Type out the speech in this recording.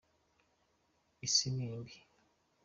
Isi nimbi.